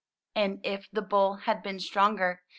And if the bowl had been stronger.